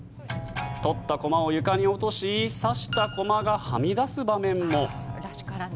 取った駒を床に落とし指した駒がはみ出す場面も。